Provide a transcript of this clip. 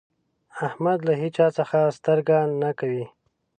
احمد له هيچا څځه سترګه نه کوي.